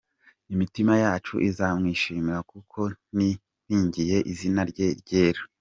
Imitima yacu izamwishimira, Kuko twiringiye izina rye ryera.